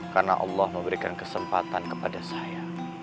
karena allah memberikan kesempatan kepada saya